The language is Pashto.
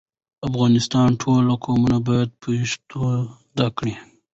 د افغانستان ټول قومونه بايد پښتو زده کړي.